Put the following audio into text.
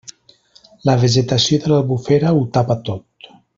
La vegetació de l'Albufera ho tapa tot.